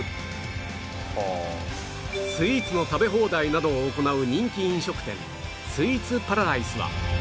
スイーツの食べ放題などを行う人気飲食店スイーツパラダイスは